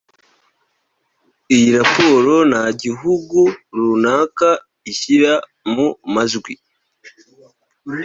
Iyi raporo nta gihugu runaka ishyira mu majwi